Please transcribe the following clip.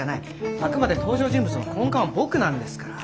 あくまで登場人物の根幹は僕なんですから。